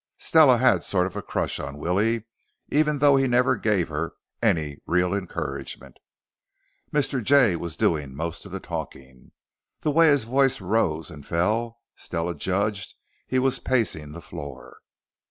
Stella had sort of a crush on Willie, even though he never gave her any real encouragement. Mr. Jay was doing most of the talking. The way his voice rose and fell, Stella judged he was pacing the floor.